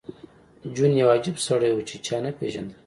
جون یو عجیب سړی و چې چا نه پېژانده